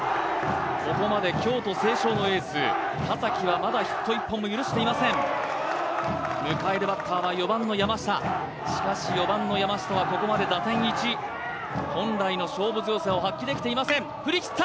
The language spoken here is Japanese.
ここまで京都成章のエース田崎はまだヒット１本も許していません迎えるバッターは４番の山下しかし４番の山下はここまで打点１本来の勝負強さを発揮できていません振り切った！